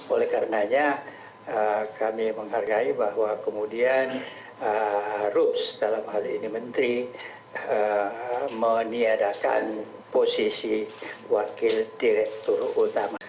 oleh karenanya kami menghargai bahwa kemudian rups dalam hal ini menteri meniadakan posisi wakil direktur utama